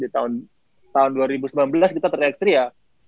tahun dua ribu sembilan belas kita tiga x tiga ya